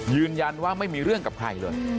ยืนยันว่าไม่มีเรื่องกับใครเลย